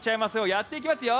やっていきますよ。